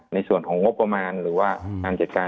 ในส่วนของงบประมาณหรือว่าการจัดการ